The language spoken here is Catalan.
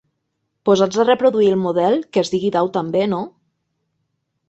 Posats a reproduir el model, que es digui Dau també, no?